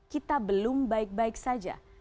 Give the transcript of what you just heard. kita belum baik baik saja